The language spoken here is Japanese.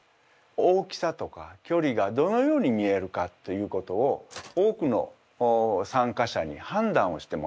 大きさとかきょりがどのように見えるかということを多くの参加者に判断をしてもらいました。